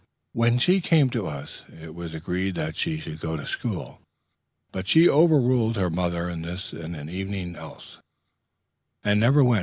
When she came to us, it was agreed that she should go to school; but she overruled her mother in this as in everything else, and never went.